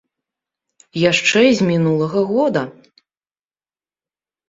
Яшчэ з мінулага года!